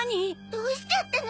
どうしちゃったの？